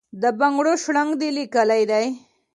د بنګړو شرنګ یې دی لېکلی،